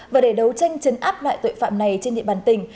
và để đấu tranh chấn áp loại tội phạm này trên địa bàn tỉnh